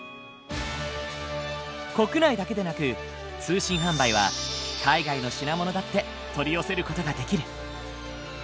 国内だけでなく通信販売は海外の品物だって取り寄せる事ができる。